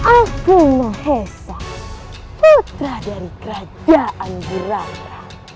aku nohesa putra dari kerajaan geraka